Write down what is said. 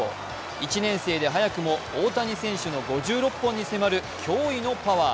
１年生で早くも大谷選手の５６本に迫る驚異のパワー。